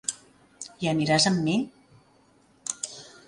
Hi aniràs amb mi?